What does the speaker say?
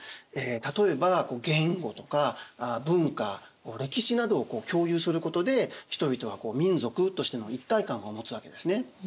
例えば言語とか文化歴史などを共有することで人々は民族としての一体感を持つわけですね。